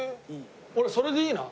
俺それでいいな。